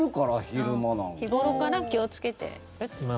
日頃から気をつけてる。